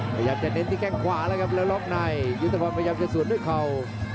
พยายามจะเน้นที่แข้งขวาแล้วครับแล้วล็อกในยุทธพรพยายามจะสวนด้วยเข่า